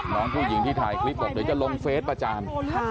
น้องผู้หญิงที่ถ่ายคลิปบอกเดี๋ยวจะลงเฟสประจาน